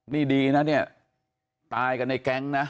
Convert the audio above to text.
นี่ดีนะตายกันในแก๊งนะ